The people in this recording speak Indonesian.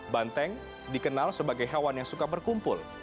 banteng dikenal sebagai hewan yang suka berkumpul